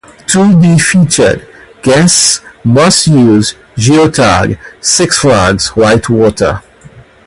To be featured, guests must use geotag Six Flags White Water.